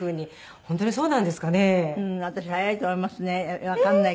本当にそうなんですかね？